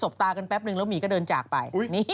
ตากันแป๊บนึงแล้วหมีก็เดินจากไป